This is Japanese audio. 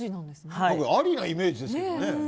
僕、ありなイメージですけどね。